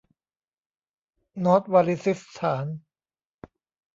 นอร์ทวาริซิสถาน